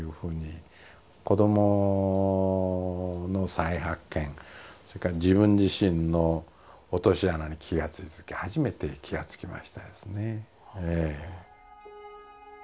子どもの再発見それから自分自身の落とし穴に気が付いたとき初めて気が付きましたですね。